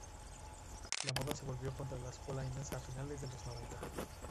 La moda se volvió contra las polainas a finales de los noventa.